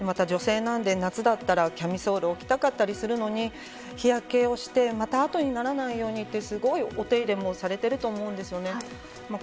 また女性なので夏だったらキャミソールを着たかったりするのに日焼けをして、また痕にならないように手入れもされていると思うんですよね。